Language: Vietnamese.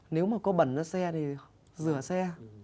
nếu mà có bẩn ra xe thì rửa xe